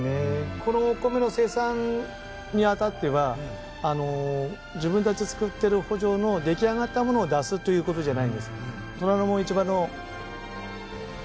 このお米の生産にあたっては自分たち作ってる圃場の出来上がったものを出すということじゃないです。